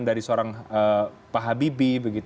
dari seorang pak habibie